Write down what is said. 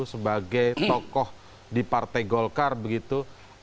sebagai tokoh di partai golkar begitu